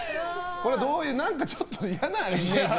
これ、何かちょっと嫌なイメージ。